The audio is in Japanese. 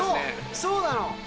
そうなの。